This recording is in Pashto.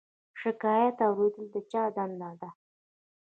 شکایت اوریدل د چا دنده ده؟